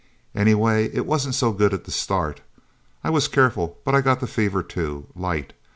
Anyway, it wasn't so good at the start. I was careful, but I got the fever, too. Light.